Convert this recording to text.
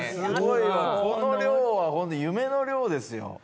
この量は夢の量ですよ。